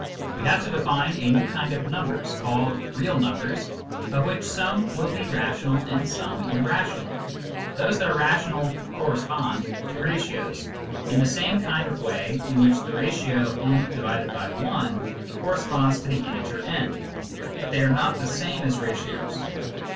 We have to define a new kind of numbers called " real numbers," of which some will be rational and some irrational. Those that are rational " correspond " to ratios, in the same kind of way in which the ratio w/i corresponds to the integer n ; but they are not the same as ratios.